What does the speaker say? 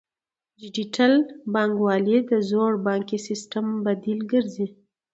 ډیجیټل بانکوالي د زوړ بانکي سیستم بدیل ګرځي.